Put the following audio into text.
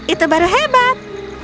itu baru hebat